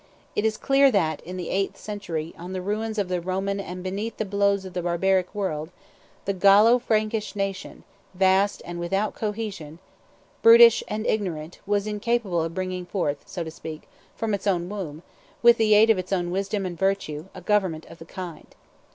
It is clear that, in the eighth century, on the ruins of the Roman and beneath the blows of the barbaric world, the Gallo Frankish nation, vast and without cohesion, brutish and ignorant, was incapable of bringing forth, so to speak, from its own womb, with the aid of its own wisdom and virtue, a government of the kind.